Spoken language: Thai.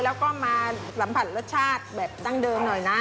แล้วก็มาสัมผัสรสชาติแบบดั้งเดิมหน่อยนะ